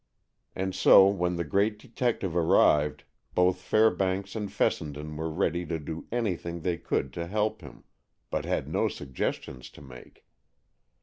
And so when the great detective arrived, both Fairbanks and Fessenden were ready to do anything they could to help him, but had no suggestions to make.